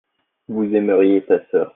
vous aimeriez ta sœur.